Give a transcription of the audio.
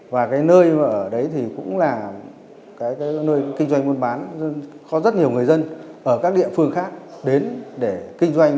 và nơi ở đấy cũng là nơi kinh doanh buôn bán có rất nhiều người dân ở các địa phương khác đến để kinh doanh